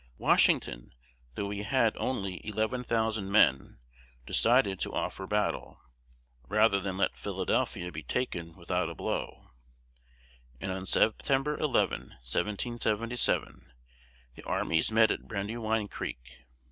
Washington, though he had only eleven thousand men, decided to offer battle, rather than let Philadelphia be taken without a blow, and on September 11, 1777, the armies met at Brandywine Creek.